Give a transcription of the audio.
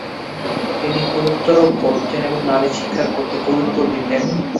তিনি গুরুত্বারোপ করতেন এবং নারী শিক্ষার প্রতি গুরুত্ব দিতেন।